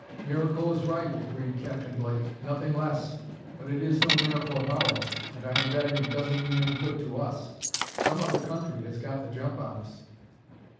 "Miracle is right," agreed Captain Blake; "nothing less! But it is no miracle of ours, and I am betting it doesn't mean any good to us. Some other country has got the jump on us."